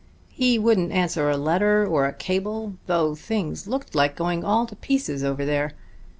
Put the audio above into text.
He wouldn't answer a letter or a cable, though things looked like going all to pieces over there.